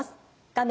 画面